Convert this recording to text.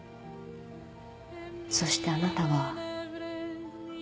そしてあなたは